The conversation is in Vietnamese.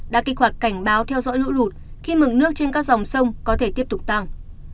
đã kích hoạt cảnh báo theo dõi lũ lụt khi mực nước trên các dòng sông có thể tiếp tục tăng